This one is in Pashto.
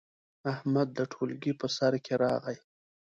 احمد د ټولګي په سر کې راغی.